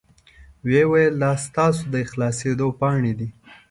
وې ویل دا ستاسو د خلاصیدو پاڼې دي.